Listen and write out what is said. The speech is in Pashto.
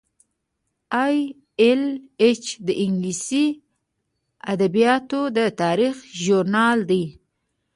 ای ایل ایچ د انګلیسي ادبیاتو د تاریخ ژورنال دی.